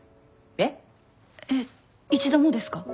えっ一度もですか？